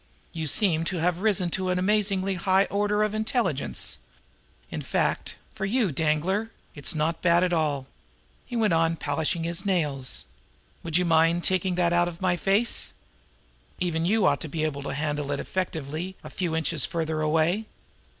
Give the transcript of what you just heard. You seem to have risen to an amazingly higher order of intelligence. In fact, for you, Danglar, it is not at all bad!" He went on polishing his nails. "Would you mind taking that thing out of my face? Even you ought to be able to handle it effectively a few inches farther away."